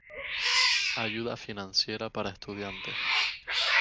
Ayuda financiera para estudiantes